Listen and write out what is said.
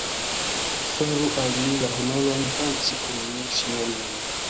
Faru al mi la honoron, danci kun mi, sinjorino.